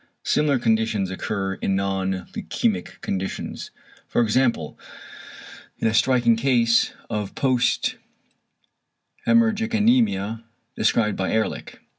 Similar conditions occur in non leukæmic conditions; for example in a striking case of posthæmorrhagic anæmia described by Ehrlich.